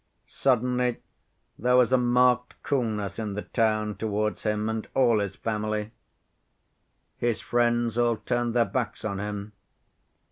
Suddenly there was a marked coolness in the town towards him and all his family. His friends all turned their backs on him.